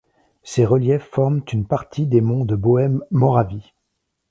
Ces reliefs forment une partie des monts de Bohême-Moravie.